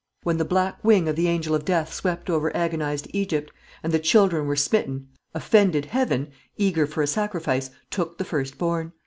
When the black wing of the angel of death swept over agonised Egypt, and the children were smitten, offended Heaven, eager for a sacrifice, took the firstborn.